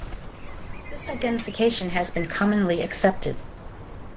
This identification has been commonly accepted.